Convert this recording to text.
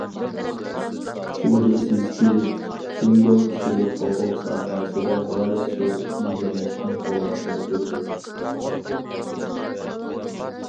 شۈبھىسىزكى، جۇڭگو كىشىلىك ھوقۇق ساھەسىدە غايەت زور ئىلگىرىلەشنى قولغا كەلتۈردى.